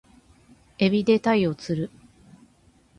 海老で鯛を釣る